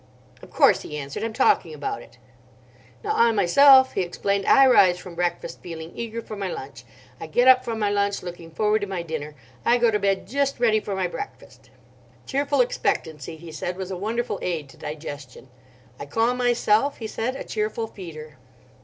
"Of course," he answered; "I'm talking about it." "Now I myself;" he explained—"I rise from breakfast feeling eager for my lunch. I get up from my lunch looking forward to my dinner. I go to bed just ready for my breakfast." Cheerful expectancy, he said, was a wonderful aid to digestion. "I call myself;" he said, "a cheerful feeder."